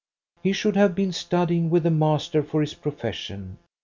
He should have been studying with a master for his profession.